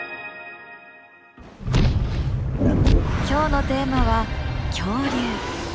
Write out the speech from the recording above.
今日のテーマは「恐竜」。